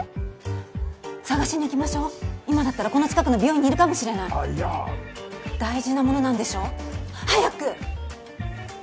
捜しに行きましょう今だったらこの近くの美容院にいるかもしれないあっいや大事なものなんでしょう早く！